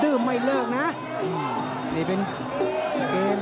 ตามต่อยกที่สองครับ